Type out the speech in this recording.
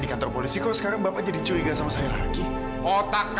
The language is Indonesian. tiap jumat eksklusif di gtv